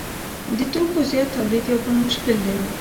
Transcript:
د توکو زیات تولید یو بل مشکل دی